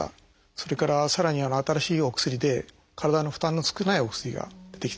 それからさらに新しいお薬で体の負担の少ないお薬が出てきた。